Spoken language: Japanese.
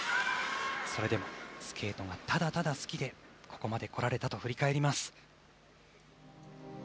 それでもスケートがただただ好きでここまで来られたと振り返ります。